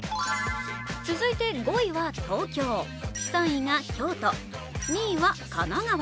続いて５位は東京、３位が京都２位は神奈川。